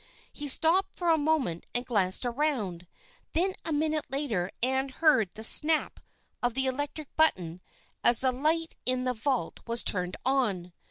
He stopped for a moment and glanced around, then a minute later Ann heard the snap of the electric button as the light in the vault was turned on.